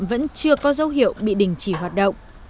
vẫn chưa có dấu hiệu bị đình chỉ hoạt động